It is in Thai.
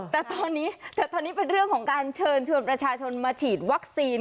แต่ตอนนี้แต่ตอนนี้เป็นเรื่องของการเชิญชวนประชาชนมาฉีดวัคซีน